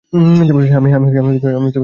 আর আমি মিডঅ্যাসিয়ান বাচ্চা।